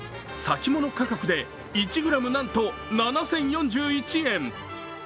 先物価格で１ｇなんと７０４１円。